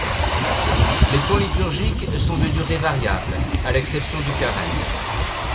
Les temps liturgiques sont de durées variables, à l'exception du Carême.